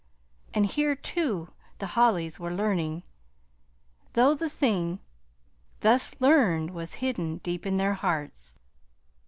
And here, too, the Hollys were learning; though the thing thus learned was hidden deep in their hearts.